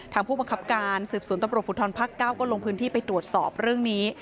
ทางผู้บังคับการศิษย์ศูนย์ตำรวจผู้ท้อนภาคเก้าก็ลงพื้นที่ไปตรวจสอบเรื่องนี้